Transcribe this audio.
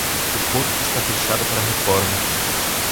O porto está fechado para reforma.